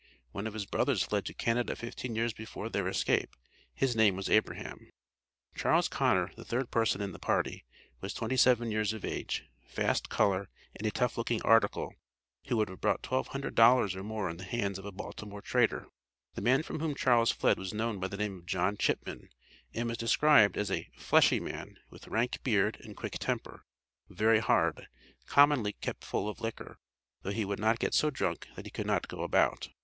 One of his brothers fled to Canada fifteen years before their escape. His name was Abraham. Charles Connor, the third person in the party, was twenty seven years of age fast color, and a tough looking "article," who would have brought twelve hundred dollars or more in the hands of a Baltimore trader. The man from whom Charles fled was known by the name of John Chipman, and was described as "a fleshy man, with rank beard and quick temper, very hard commonly kept full of liquor, though he would not get so drunk that he could not go about."